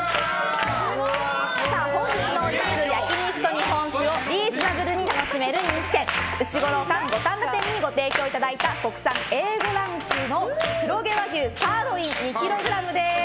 本日のお肉は焼き肉と日本酒をリーズナブルに楽しめる人気店うしごろ貫五反田店にご提供いただいた国産Ａ５ランクの黒毛和牛サーロイン２ｋｇです。